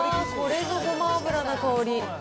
これぞ、ごま油の香り。